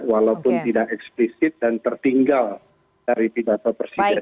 walaupun tidak eksplisit dan tertinggal dari pidato presiden